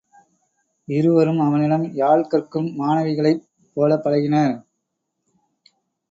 இருவரும் அவனிடம் யாழ் கற்கும் மாணவிகளைப் போலப் பழகினர்.